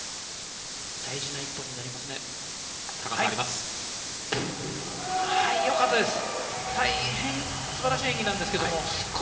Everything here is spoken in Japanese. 大事な一本になりますね。